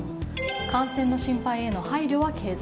感染の心配への配慮は継続。